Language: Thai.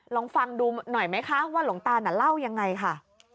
ลองฟังดูหน่อยไหมคะว่าหลวงตาน่ะเล่ายังไงค่ะ